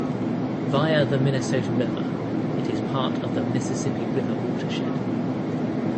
Via the Minnesota River, it is part of the Mississippi River watershed.